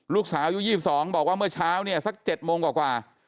ลูกสาวอายุ๒๒บอกว่าเมื่อเช้าเนี่ยสัก๗โมงกว่า